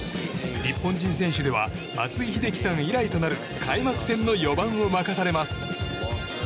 日本人選手では松井秀喜さん以来となる開幕戦の４番を任されます。